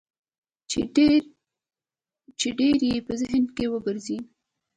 چې ډېر يې په ذهن کې ورګرځي.